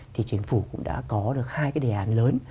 thì chính phủ cũng đã có được hai cái đề án lớn